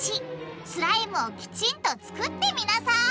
スライムをきちんと作ってみなさい！